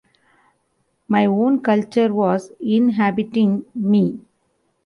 My own culture was inhibiting me.